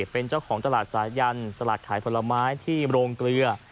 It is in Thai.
เป็นเจ้าของตลาดสายันตลาดขายผลไม้ที่โรงเกลือ